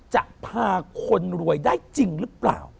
จะพาคนรวยได้จริงหรือเปล่า